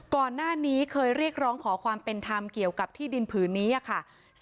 ก่อนหน้านี้เคยเรียกร้องขอความเป็นธรรมเกี่ยวกับที่ดินผืนนี้ค่ะ